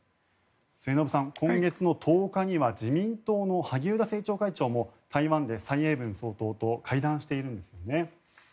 末延さん、今月１０日には自民党の萩生田政調会長も台湾で蔡英文総統と会談しているんですよね。